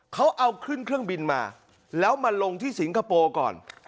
เขาเอาขึ้นเครื่องบินมาแล้วมาลงที่สิงคโปร์ก่อน